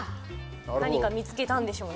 何か見つけたんでしょうね。